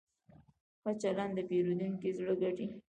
ښه چلند د پیرودونکي زړه ګټي.